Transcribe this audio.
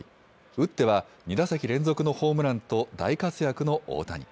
打っては２打席連続のホームランと大活躍の大谷。